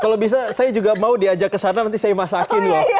kalau bisa saya juga mau diajak ke sana nanti saya masakin loh